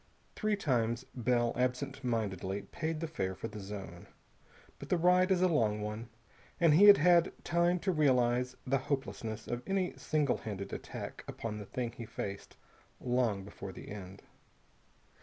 Three times Bell absent mindedly paid the fare for the zone. But the ride is a long one, and he had had time to realize the hopelessness of any single handed attack upon the thing he faced long before the end.